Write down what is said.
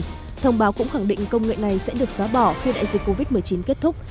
tập đoàn apple và google thông báo cũng khẳng định công nghệ này sẽ được xóa bỏ khi đại dịch covid một mươi chín kết thúc